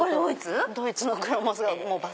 ドイツのクロモスが。